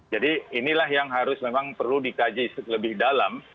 jadi inilah yang harus memang perlu dikaji lebih dalam